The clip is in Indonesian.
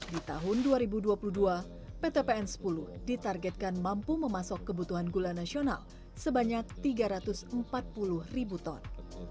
di tahun dua ribu dua puluh dua pt pn sepuluh ditargetkan mampu memasuk kebutuhan gula nasional sebanyak tiga ratus empat puluh ribu ton